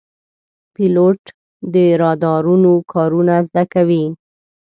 پیلوټ د رادارونو کارونه زده کوي.